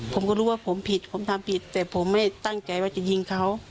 ผมก็รู้ว่าผมผิดผมทำผิดแต่ผมไม่ตั้งใจว่าจะยิงเขา